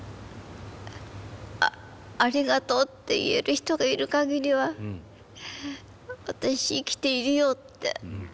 「ありがとう」って言える人がいる限りは私生きているよって。